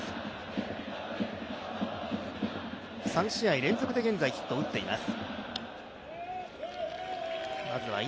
現在、３試合連続でヒットを打っています。